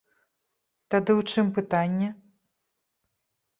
Тады ў чым пытанне?